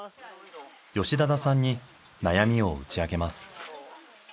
吉田田さんに悩みを打ち明けます。